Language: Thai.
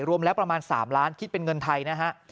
รวมแล้วประมาณ๓ล้านคิดเป็นเงินไทยนะฮะ